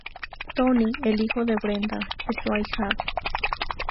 Tony, el hijo de Brenda, es su ahijado.